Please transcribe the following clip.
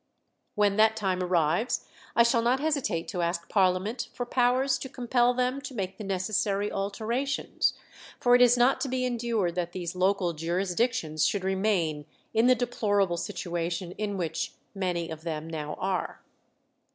When that time arrives I shall not hesitate to ask Parliament for powers to compel them to make the necessary alterations, for it is not to be endured that these local jurisdictions should remain in the deplorable situation in which many of them now are."